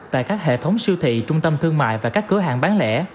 tại các hệ thống siêu thị trung tâm thương mại và các cửa hàng bán lẻ